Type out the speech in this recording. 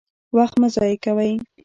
وخت مه ضایع کوئ